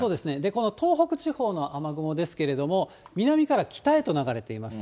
この東北地方の雨雲ですけれども、南から北へと流れています。